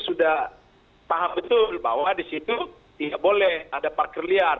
sudah paham betul bahwa di situ tidak boleh ada parkir liar